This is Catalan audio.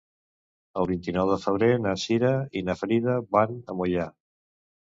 El vint-i-nou de febrer na Cira i na Frida van a Moià.